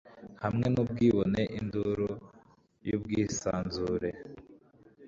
hamwe n'ubwibone, induru y'ubwisanzure